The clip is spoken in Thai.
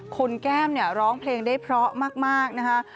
คุณแก้มเนี่ยร้องเพลงได้เพราะมากนะคะ